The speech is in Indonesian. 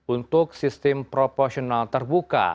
untuk sistem proportional terbuka